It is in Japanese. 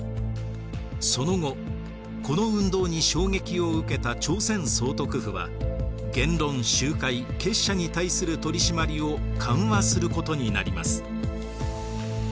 その後この運動に衝撃を受けた朝鮮総督府は言論集会結社に対する取り締まりを緩和することになります。